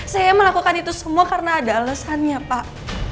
saya melakukan itu semua karena ada alasannya pak